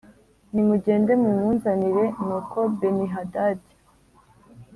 Nimugende mumunzanire Nuko Benihadadi